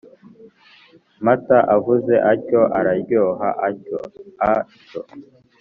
amata avuze atyo araryoha. atyo: a – tyo